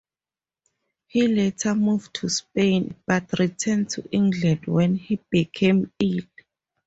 He later moved to Spain, but returned to England when he became ill.